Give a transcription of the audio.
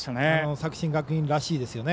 作新学院らしいですよね。